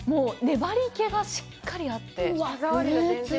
粘りけがしっかりあって。